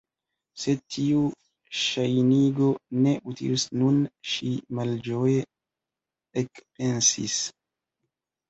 "Sed tiu ŝajnigo ne utilus nun"—ŝi malĝoje ekpensis—.